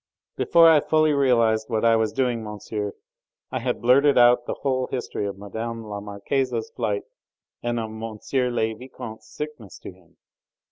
Before I fully realised what I was doing, monsieur, I had blurted out the whole history of Mme. la Marquise's flight and of M. le Vicomte's sickness to him.